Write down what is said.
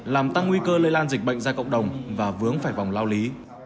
làm tăng nguy cơ lây lan dịch bệnh ra cộng đồng và vướng phải vòng lao lý